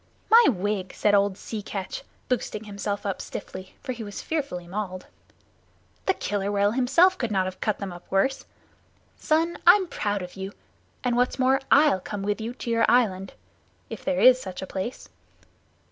"My wig!" said old Sea Catch, boosting himself up stiffly, for he was fearfully mauled. "The Killer Whale himself could not have cut them up worse. Son, I'm proud of you, and what's more, I'll come with you to your island if there is such a place."